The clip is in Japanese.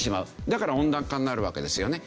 だから温暖化になるわけですよね。